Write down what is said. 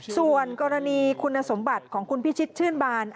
ส่วนกรณีคุณสมบัติของคุณพิชิตชื่นบาน